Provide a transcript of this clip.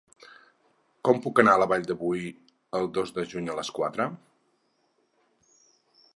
Com puc anar a la Vall de Boí el dos de juny a les quatre?